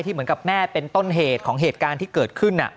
เหมือนกับแม่เป็นต้นเหตุของเหตุการณ์ที่เกิดขึ้น